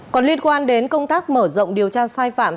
còn liên quan đến công tác mở rộng điều tra sai phạm